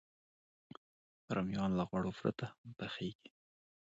رومیان له غوړو پرته هم پخېږي